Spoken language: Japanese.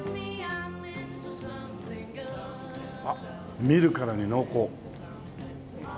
あっ見るからに濃厚。